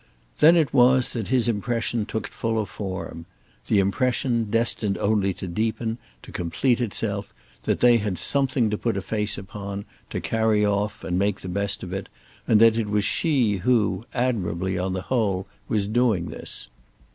Then it was that his impression took fuller form—the impression, destined only to deepen, to complete itself, that they had something to put a face upon, to carry off and make the best of, and that it was she who, admirably on the whole, was doing this.